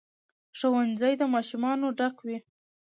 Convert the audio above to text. ښوونځي د ماشومانو ډک وي.